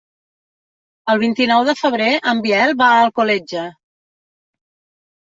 El vint-i-nou de febrer en Biel va a Alcoletge.